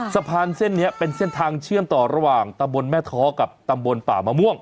สะพานเส้นนี้เป็นเส้นทางเชื่อมต่อระหว่างตำบลแม่ท้อกับตำบลป่ามะม่วง